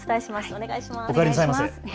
お願いします。